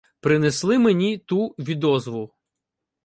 Принесли мені ту відозву.